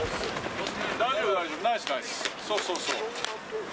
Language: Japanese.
そうそうそう。